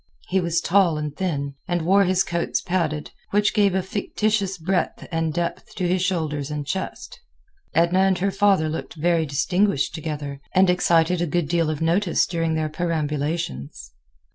He was tall and thin, and wore his coats padded, which gave a fictitious breadth and depth to his shoulders and chest. Edna and her father looked very distinguished together, and excited a good deal of notice during their perambulations.